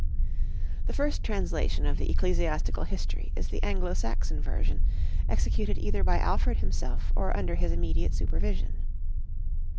The first translation of the "Ecclesiastical History" is the Anglo Saxon version, executed either by Alfred himself or under his immediate supervision.